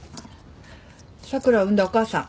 桜を産んだお母さん。